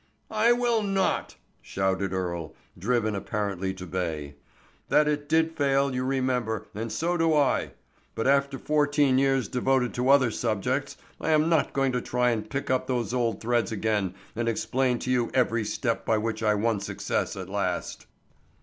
"I will not," shouted Earle, driven apparently to bay. "That it did fail you remember and so do I, but after fourteen years devoted to other subjects I am not going to try and pick up those old threads again and explain to you every step by which I won success at last."